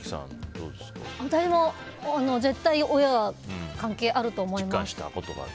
私も絶対に親は関係あると思います。